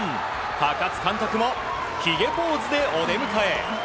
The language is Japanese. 高津監督もひげポーズでお出迎え。